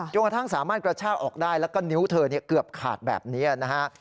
กระทั่งสามารถกระชากออกได้แล้วก็นิ้วเธอเกือบขาดแบบนี้นะฮะ